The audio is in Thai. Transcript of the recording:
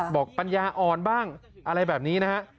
ปัญญาอ่อนบ้างอะไรแบบนี้นะฮะ